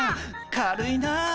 軽いな。